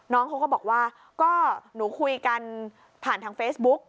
น้องเขาก็บอกว่าก็หนูคุยกันผ่านทางเฟซบุ๊ก